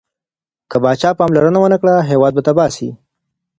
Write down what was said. که پاچا پاملرنه ونه کړي، هیواد به تباه سي.